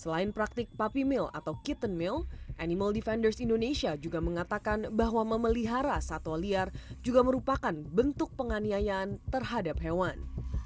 selain praktik puppy mill atau kitten mill animal defenders indonesia juga mengatakan bahwa memelihara satwa liar juga merupakan bentuk penganiayaan terhadap hewan